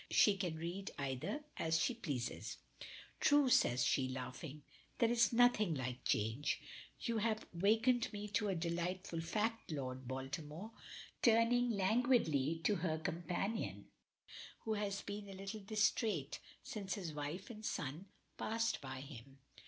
She can read either as she pleases. "True!" says she laughing. "There is nothing like change. You have wakened me to a delightful fact. Lord Baltimore," turning languidly to her companion, who has been a little distrait since his wife and son passed by him.